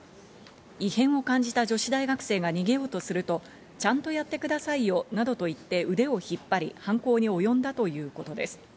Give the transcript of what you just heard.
異変を感じた女子大学生が逃げようとすると、ちゃんとやってくださいよなどと言って腕を引っ張り、犯行におよんだということです。